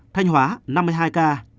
thanh hóa năm mươi hai ca